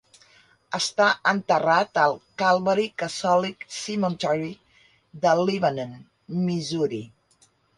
Està enterrat al Calvary Catholic Cemetery de Lebanon, Missouri.